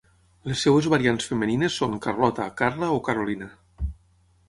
Les seves variants femenines són Carlota, Carla o Carolina.